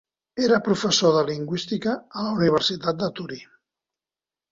Era professor de lingüística a la Universitat de Torí.